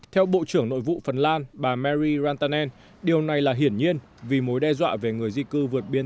theo bộ trưởng nội vụ phần lan bà mariean điều này là hiển nhiên vì mối đe dọa về người di cư vượt biên